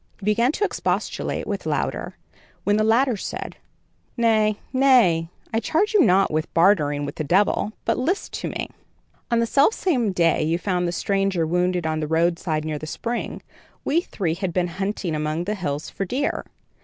He began to expostulate with Louder, when the latter said: "Nay, nay; I charge you not with bartering with the devil; but list to me. On the selfsame day you found the stranger wounded at the road side near the spring, we three had been hunting among the hills for deer.